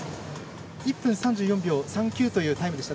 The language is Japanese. １分３４秒３９というタイムでした。